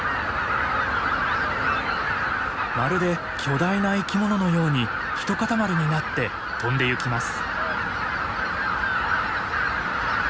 まるで巨大な生き物のように一塊になって飛んでゆきます。